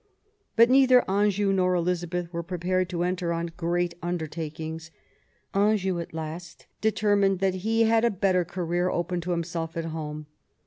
But neither Anjou nor Eliza beth were prepared to enter on great undertakings. Anjou, at last, determined that he had a better career open to himself at home.